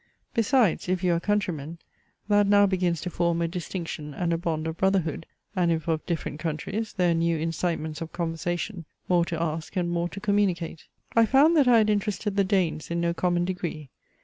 Besides, if you are countrymen, that now begins to form a distinction and a bond of brotherhood; and if of different countries, there are new incitements of conversation, more to ask and more to communicate. I found that I had interested the Danes in no common degree.